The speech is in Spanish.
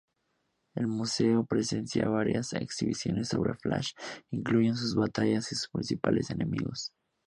El museo presenta varias exhibiciones sobre Flash, incluyendo sus batallas y sus principales enemigos.